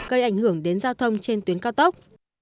gây ảnh hưởng đến giao thông trên tuyến cao tốc